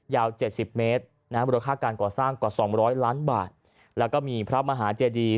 ๗๐เมตรมูลค่าการก่อสร้างกว่า๒๐๐ล้านบาทแล้วก็มีพระมหาเจดี